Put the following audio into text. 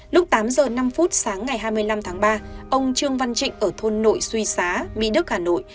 lúc tám giờ năm phút sáng ngày hai mươi năm tháng ba ông trương văn trịnh ở thôn nội suy xá mỹ đức hà nội